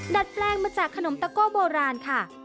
ดัดแปลงมาจากขนมตะโก้โบราณค่ะ